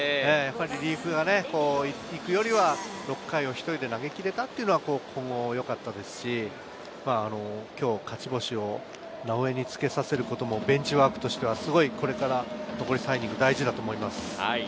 リリーフが行くよりは６回を１人で投げ切れたというのがよかったですし、今日、勝ち星を直江につけさせることもベンチワークとして残り３イニング、特に大事だと思います。